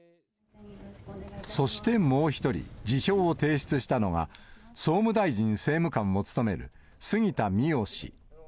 そしてもう一人、辞表を提出したのが、総務大臣政務官を務める杉田水脈氏。